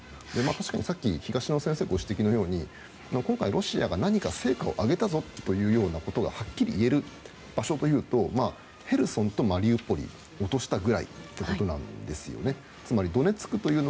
確かにさっき東野さんがご指摘のように今回、ロシアが何か成果を上げたぞとはっきり言える場所というとヘルソンとマリウポリを落としたぐらいなんですね。